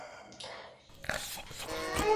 دوهم د خپل شرکت جوړول دي.